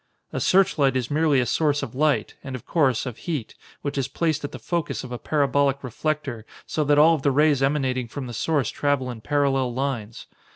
"A searchlight is merely a source of light, and of course, of heat, which is placed at the focus of a parabolic reflector so that all of the rays emanating from the source travel in parallel lines.